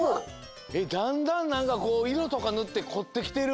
だんだんなんかこういろとかぬってこってきてる。